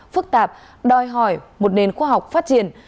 phức tạp đòi hỏi một nền khoa học phát triển